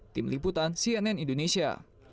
tim liputan cnn indonesia